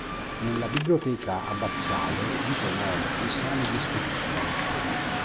Nella biblioteca abbaziale vi sono oggi sale di esposizione.